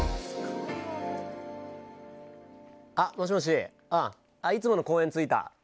もしもしいつもの公園についた。